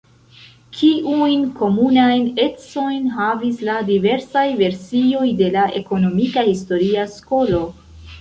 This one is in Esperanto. Kiujn komunajn ecojn havis la diversaj versioj de la ekonomika historia skolo?